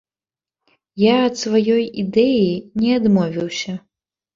Я ад сваёй ідэі не адмовіўся.